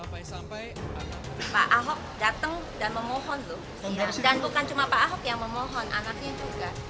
pak ahok datang dan memohon tuh dan bukan cuma pak ahok yang memohon anaknya juga